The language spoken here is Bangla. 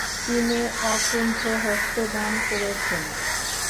তিনি অকুণ্ঠহস্তে দান করেছেন।